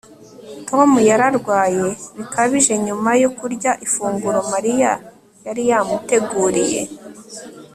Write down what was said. tom yararwaye bikabije nyuma yo kurya ifunguro mariya yari yamuteguriye